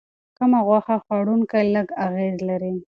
کم غوښه خوړونکي لږ اغېز لري.